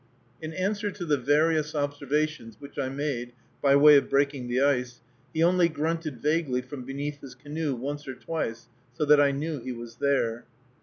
In answer to the various observations which I made by way of breaking the ice, he only grunted vaguely from beneath his canoe once or twice, so that I knew he was there.